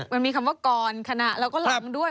มันมีคำว่าก่อนขณะแล้วก็หลังด้วย